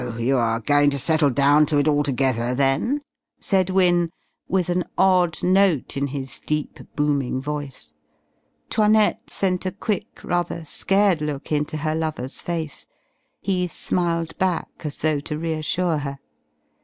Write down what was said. You are going to settle down to it altogether, then?" said Wynne, with an odd note in his deep, booming voice. 'Toinette sent a quick, rather scared look into her lover's face. He smiled back as though to reassure her.